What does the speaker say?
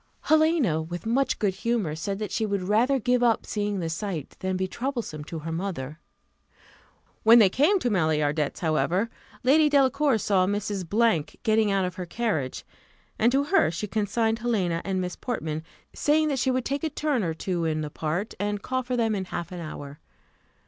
Helena, with much good humour, said that she would rather give up seeing the sight than be troublesome to her mother. When they came to Maillardet's, however, Lady Delacour saw Mrs. getting out of her carriage, and to her she consigned Helena and Miss Portman, saying that she would take a turn or two in the park, and call for them in half an hour.